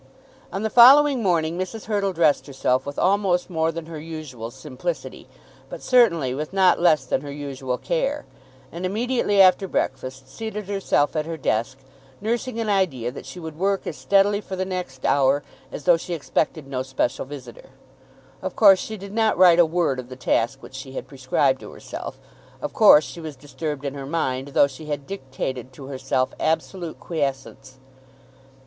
On the following morning Mrs. Hurtle dressed herself with almost more than her usual simplicity, but certainly with not less than her usual care, and immediately after breakfast seated herself at her desk, nursing an idea that she would work as steadily for the next hour as though she expected no special visitor. Of course she did not write a word of the task which she had prescribed to herself. Of course she was disturbed in her mind, though she had dictated to herself absolute quiescence.